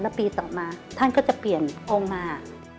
แล้วปีต่อมาท่านก็จะเปลี่ยนองค์มา